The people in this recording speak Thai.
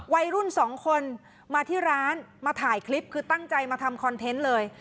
วัยรุ่นสองคนมาที่ร้านมาถ่ายคลิปคือตั้งใจมาทำคอนเทนต์เลย